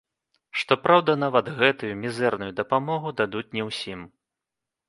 Што праўда, нават гэтую мізэрную дапамогу дадуць не ўсім.